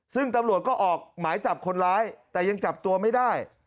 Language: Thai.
ซึ่งตำรวจก็ออกหมายจับคนร้ายแต่ยังจับตัวไม่ได้